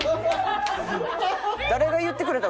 誰が言ってくれたん？